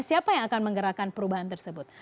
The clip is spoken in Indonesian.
siapa yang akan menggerakkan perubahan tersebut